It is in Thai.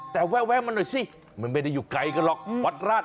แต่แวะมาหน่อยสิมันไม่ได้อยู่ไกลกันหรอกวัดราช